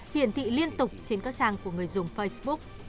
hiển thị liên tục trên các trang của người dùng facebook